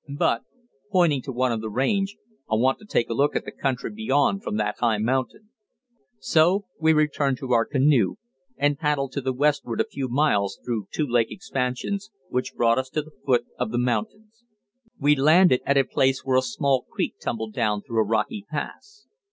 "But," pointing to one of the range, "I want to take a look at the country beyond from that high mountain." So we returned to our canoe, and paddled to the westward a few miles through two lake expansions, which brought us to the foot of the mountains. We landed at a place where a small creek tumbled down through a rocky pass.